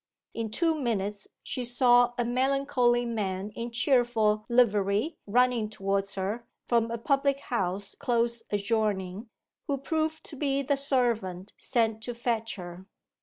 In two minutes she saw a melancholy man in cheerful livery running towards her from a public house close adjoining, who proved to be the servant sent to fetch her.